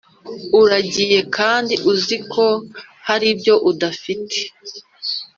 Uragiye kandi uziko haribyo udafite